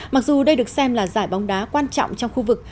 mặc dù đây được xem là giải bóng đá quan trọng trong khu vực